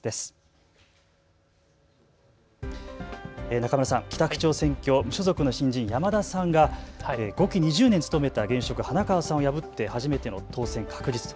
中村さん、北区長選挙、無所属の新人、山田さんが５期２０年務めた現職、花川さんを破って、初めての当選確実と。